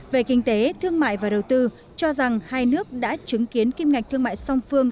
về kinh tế thương mại và đầu tư cho rằng hai nước đã chứng kiến kim ngạch thương mại song phương